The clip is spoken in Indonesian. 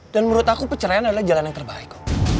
dan menurut aku perceraian adalah jalan yang terbaik